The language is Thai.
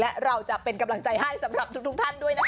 และเราจะเป็นกำลังใจให้สำหรับทุกท่านด้วยนะคะ